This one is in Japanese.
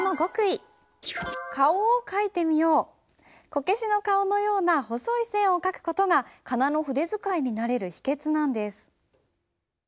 ここでこけしの顔のような細い線を書く事が仮名の筆使いに慣れる秘けつなんです。